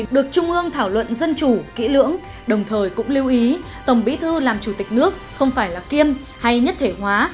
được trung ương thảo luận dân chủ kỹ lưỡng đồng thời cũng lưu ý tổng bí thư làm chủ tịch nước không phải là kiêm hay nhất thể hóa